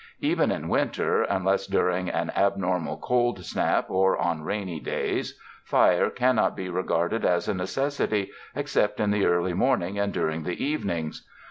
Even in winter, unless during an abnormal cold snap or on rainy days, fire cannot be regarded as a necessity, except in the early morning and dur ing the evenings.